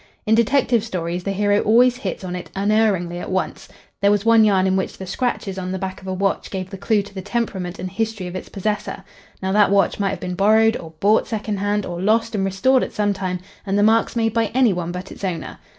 In detective stories the hero always hits on it unerringly at once. There was one yarn in which the scratches on the back of a watch gave the clue to the temperament and history of its possessor. Now, that watch might have been borrowed or bought second hand, or lost and restored at some time, and the marks made by any one but its owner.